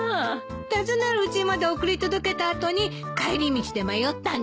訪ねるうちまで送り届けた後に帰り道で迷ったんですって。